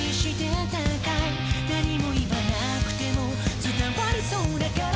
「何も言わなくても伝わりそうだから」